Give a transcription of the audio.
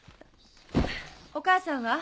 お母さんは？